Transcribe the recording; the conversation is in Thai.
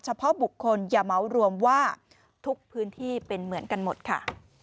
เฉพาะบุคคลอย่าเม้ารวมว่าทุกพื้นที่เป็นเหมือนกันหมดค่ะ